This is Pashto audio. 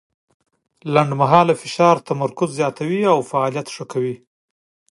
لنډمهاله فشار تمرکز زیاتوي او فعالیت ښه کوي.